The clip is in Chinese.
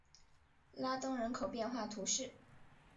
拉东人口变化图示